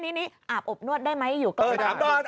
อันนี้อาบอบนวดได้ไหมอยู่กล้องบ้าน